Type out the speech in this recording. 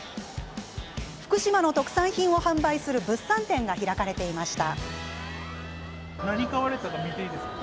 福島の特産品を販売する物産展が開かれていました。